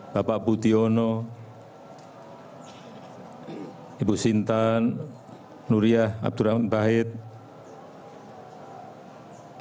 bapak putri ono ibu sintan nuriyah abdurrahman ibrahim bahid